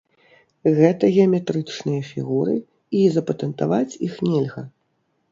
Гэта геаметрычныя фігуры, і запатэнтаваць іх нельга.